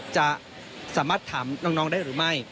จะสามารถถามน้องได้หรือไม่